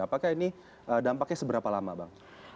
apakah ini dampaknya seberapa lama bang